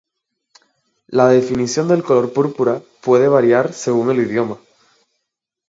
La definición del color púrpura puede variar según el idioma.